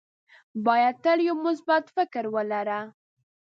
باید تل یو مثبت فکر ولره.